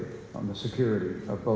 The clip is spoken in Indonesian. untuk keamanan kedua duanya